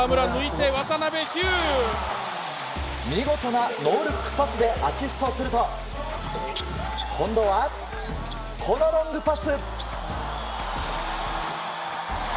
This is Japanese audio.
見事なノールックパスでアシストすると今度は、このロングパス！